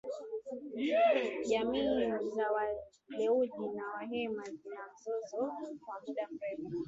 Jamii za walendu na wahema zina mzozo wa muda mrefu